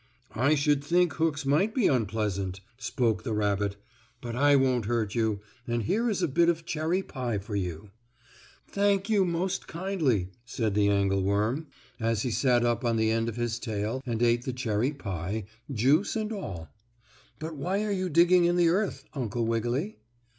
"I should think hooks might be unpleasant," spoke the rabbit. "But I won't hurt you, and here is a bit of cherry pie for you." "Thank you, most kindly," said the angle worm, as he sat up on the end of his tail and ate the cherry pie, juice and all. "But why are you digging in the earth, Uncle Wiggily?"